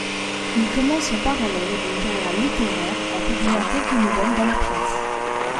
Il commence en parallèle une carrière littéraire en publiant quelques nouvelles dans la presse.